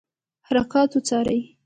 حرکات وڅاري.